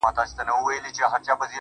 ستا غمونه ستا دردونه زما بدن خوري